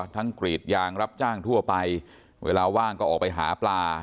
กรีดยางรับจ้างทั่วไปเวลาว่างก็ออกไปหาปลา